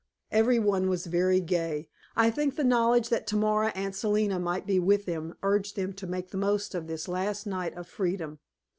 Every one was very gay; I think the knowledge that tomorrow Aunt Selina might be with them urged them to make the most of this last night of freedom.